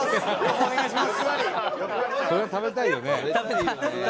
そりゃ食べたいよね。